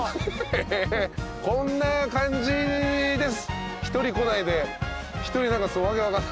えこんな感じです。